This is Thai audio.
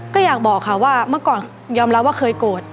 ก็อยากบอกค่ะว่าเมื่อก่อนยอมรับว่าเคยโกรธ